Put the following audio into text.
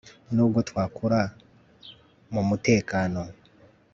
Nubwo twakura mumutekano